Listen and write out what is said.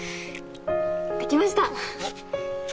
描きました。